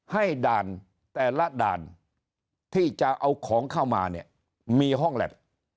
ด่านแต่ละด่านที่จะเอาของเข้ามาเนี่ยมีห้องแล็บ